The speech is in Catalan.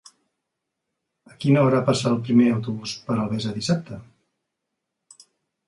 A quina hora passa el primer autobús per Albesa dissabte?